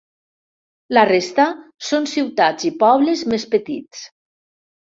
La resta són ciutats i pobles més petits.